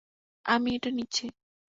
আমি এটা নিচ্ছি।